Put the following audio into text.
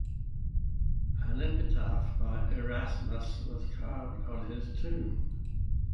An epitaph by Erasmus was carved on his tomb.